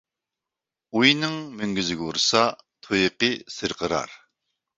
ئۇينىڭ مۈڭگۈزىگە ئۇرسا، تۇيىقى سىرقىرار.